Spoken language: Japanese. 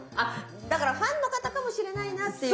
だからファンの方かもしれないなっていうね。